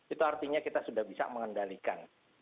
itu artinya kita sudah bisa mengendalikan